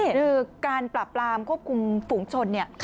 คือการปรับปรามควบคุมฝุงชน